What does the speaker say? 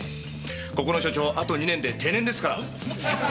ここの署長あと２年で定年ですから。